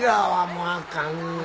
もうあかんな。